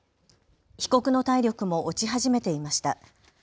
被告の体力も落ち始めていました。